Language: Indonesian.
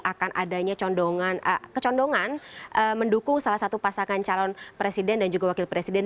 akan adanya kecondongan mendukung salah satu pasangan calon presiden dan juga wakil presiden